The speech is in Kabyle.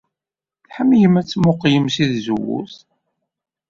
Tḥemmlem ad temmuqqlem seg tzewwut.